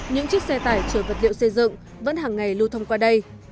những chiếc xe tải chở vật liệu xây dựng vẫn hàng ngày lưu thông qua đây